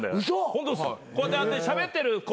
ホントに。